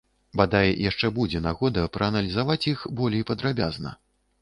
Бадай, яшчэ будзе нагода прааналізаваць іх болей падрабязна.